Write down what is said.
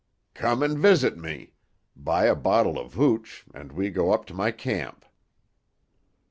"Come and visit me. Buy a bottle of hooch and we go up to my camp."